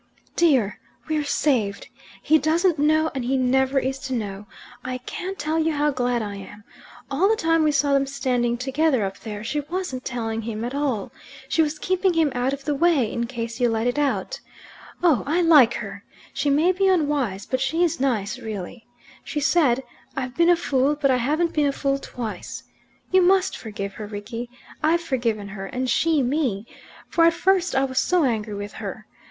"Dear, we're saved! He doesn't know, and he never is to know. I can't tell you how glad I am. All the time we saw them standing together up there, she wasn't telling him at all. She was keeping him out of the way, in case you let it out. Oh, I like her! She may be unwise, but she is nice, really. She said, 'I've been a fool but I haven't been a fool twice.' You must forgive her, Rickie. I've forgiven her, and she me; for at first I was so angry with her.